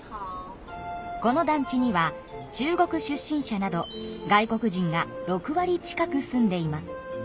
この団地には中国出身者など外国人が６割近く住んでいます。